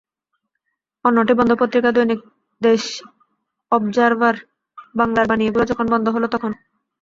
অন্যটি বন্ধ পত্রিকা দৈনিক দেশ, অবজারভার, বাংলার বাণী—এগুলো যখন বন্ধ হলো তখন।